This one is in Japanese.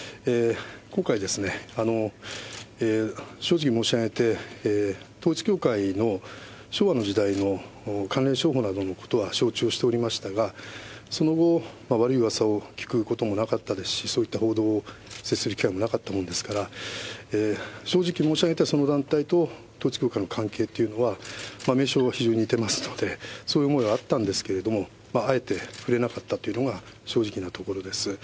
今回ですね、正直申し上げて、統一教会の昭和の時代の関連商法などのことは招致をしておりましたが、その後、悪いうわさを聞くこともなかったですし、そういった認識はなかったものですから、正直申し上げて、その団体と統一教会の関係というのは、名称は非常に似てますので、そういう思いはあったんですけど、あえて触れなかったというのが、正直なところです。